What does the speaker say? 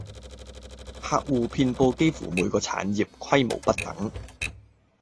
客戶遍佈幾乎每個產業，規模不等